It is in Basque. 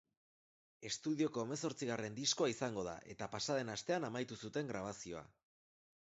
Estudioko hemezortzigarren diskoa izango da eta pasaden astean amaitu zuten grabazioa.